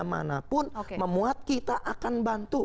mana pun memuat kita akan bantu